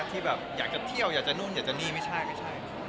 ที่แบบอยากจะเที่ยวอยากจะนู่นอยากจะนี่ไม่ใช่